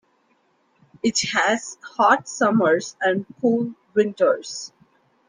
It has hot summers and cool winters.